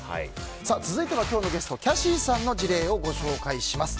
続いては今日のゲストキャシーさんの事例をご紹介します。